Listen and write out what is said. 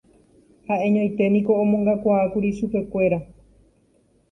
Ha'eñoiténiko omongakuaákuri chupekuéra